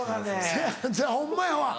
せやホンマやわ。